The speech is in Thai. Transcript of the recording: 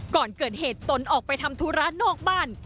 ก่อนเกิดเหตุตนออกไปทำธุระนอกบ้าน